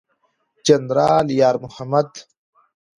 جنرال یار محمد